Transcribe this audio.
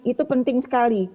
itu penting sekali